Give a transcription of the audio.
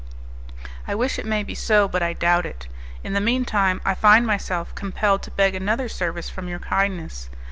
"I wish it may be so, but I doubt it. In the mean time, I find myself compelled to beg another service from your kindness.